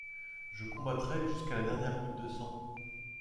Je combattrai jusqu’à la dernière goutte de sang.